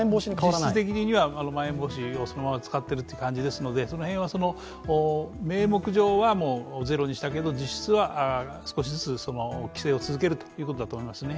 実質的にはまん延防止を使ってる感じですので、その辺は名目上はゼロにしたけど、実質は少しずつ規制を続けるということだと思いますね。